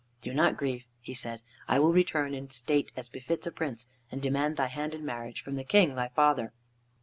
"Do not grieve," he said, "I will return in state as befits a Prince, and demand thy hand in marriage from the King thy father."